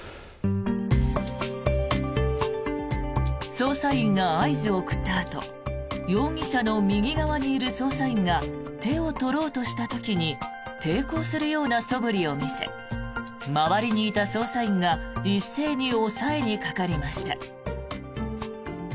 捜査員が合図を送ったあと容疑者の右側にいる捜査員が手を取ろうとした時に抵抗するようなそぶりを見せ周りにいた捜査員が一斉に押さえにかかりました。